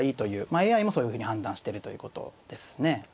まあＡＩもそういうふうに判断してるということですね。